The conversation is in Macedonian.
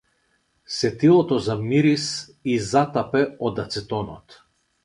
Сетилото за мирис ѝ затапе од ацетонот.